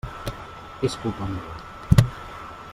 És culpa meva.